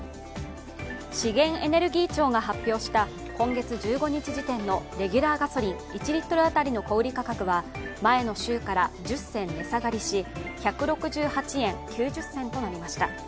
資源エネルギー庁が発表した今月１５日時点のレギュラーガソリン１リットル当たりの小売り価格は前の週から１０銭値下がりし１６８円９０銭となりました。